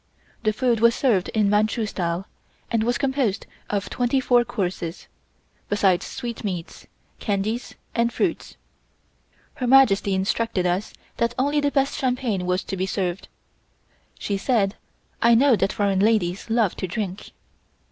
The food was served in Manchu style, and was composed of twenty four courses, besides sweetmeats candies and fruits. Her Majesty instructed us that only the best champagne was to be served. She said: "I know that foreign ladies love to drink."